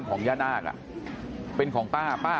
สวัสดีครับคุณผู้ชาย